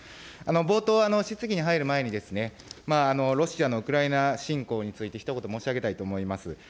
冒頭、質疑に入る前に、ロシアのウクライナ侵攻についてひと言申し上げたいと思います。